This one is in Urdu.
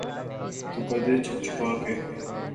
تو قدرے چھپ چھپا کے۔